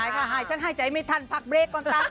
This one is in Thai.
หายฉันหายใจไม่ทันพักเบรกก่อนตาม